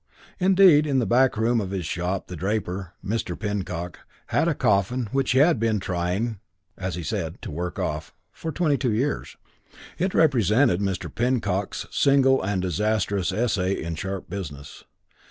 Indeed in the back room of his shop, the draper, Mr. Pinnock, had a coffin which he had been trying (as he said) "to work off" for twenty two years. It represented Mr. Pinnock's single and disastrous essay in sharp business.